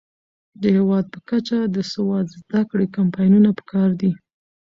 د هیواد په کچه د سواد زده کړې کمپاینونه پکار دي.